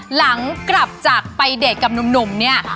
หลังกลับจากไปเดทกับหนุ่มเนี่ย